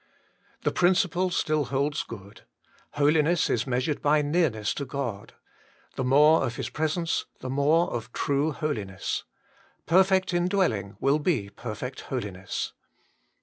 The principle still holds good : holiness is measured by nearness to God ; the more of His Presence, the more of true holiness ; perfect in dwelling will be perfect holiness.